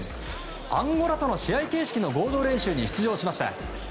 アンゴラとの試合形式の合同練習に出場しました。